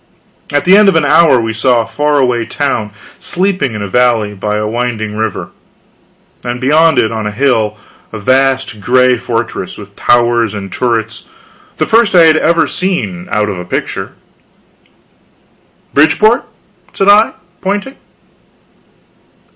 At the end of an hour we saw a far away town sleeping in a valley by a winding river; and beyond it on a hill, a vast gray fortress, with towers and turrets, the first I had ever seen out of a picture. "Bridgeport?" said I, pointing.